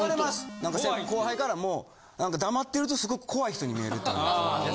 何か後輩からも黙ってるとすごく怖い人に見えるって言われます。